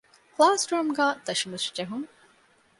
ކުލާސްރޫމްގައި ތަށިމުށިޖެހުން